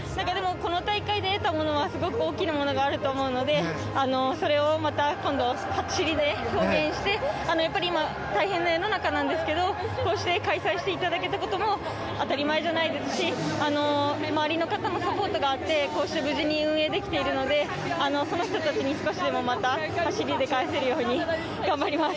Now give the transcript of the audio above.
この大会で得たものはすごく大きなものがあると思うのでそれをまた今度、走りで貢献してやっぱり今大変な世の中なんですけどこうして開催していただけたことも当たり前じゃないですし周りの方のサポートがあってこうして無事に運営できているのでその人たちに少しでも、また走りで返せるように頑張ります。